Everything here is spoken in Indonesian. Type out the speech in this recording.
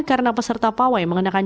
karena peserta pawai mengenakan